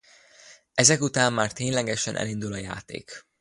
Ezek után már ténylegesen elindul a játék.